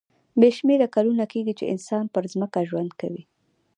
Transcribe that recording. بې شمېره کلونه کېږي چې انسان پر ځمکه ژوند کوي.